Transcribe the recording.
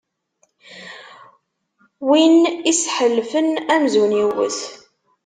Win isḥellfen, amzun iwwet.